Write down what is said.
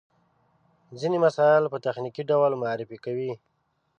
ځينې مسایل په تخنیکي ډول معرفي کوي.